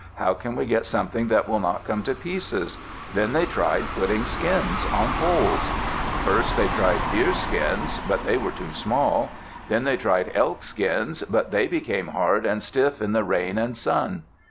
How can we get something that will not come to pieces?" Then they tried putting skins on poles. First they tried deerskins. But they were too small. They tried elk skins. But they became hard and stiff in the rain and sun.